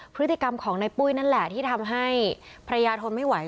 พฤติกรรมของในปุ้ยนั่นแหละที่ทำให้ภรรยาทนไม่ไหว